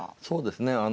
そうですね。